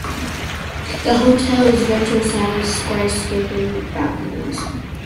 The hotel is a vertical-sided skyscraper with balconies.